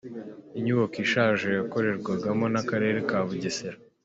Inyubako ishaje yakorerwagamo n’akarere ka Bugesera.